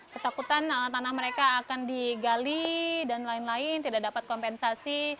ketakutan tanah mereka akan digali dan lain lain tidak dapat kompensasi